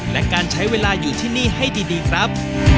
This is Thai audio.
และการใช้เวลาอยู่ที่นี่ให้ดีครับ